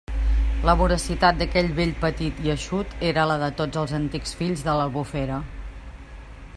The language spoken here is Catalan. La voracitat d'aquell vell petit i eixut era la de tots els antics fills de l'Albufera.